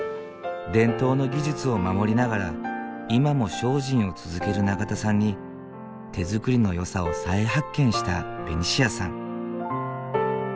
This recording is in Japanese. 伝統の技術を守りながら今も精進を続ける長田さんに手作りのよさを再発見したベニシアさん。